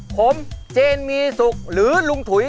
ผมเจนมีสุขหรือลุงถุย